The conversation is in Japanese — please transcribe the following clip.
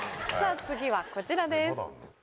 次はこちらです。